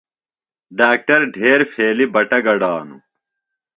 ڈاکٹر ڈھیر پھیلیۡ بٹہ گڈانوۡ۔